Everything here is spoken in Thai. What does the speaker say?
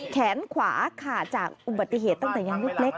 แขนขวาขาดจากอุบัติเหตุตั้งแต่ยังเล็ก